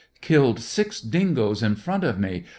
Killed six dingoes in front of me.